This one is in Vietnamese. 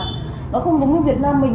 nó không giống như việt nam mình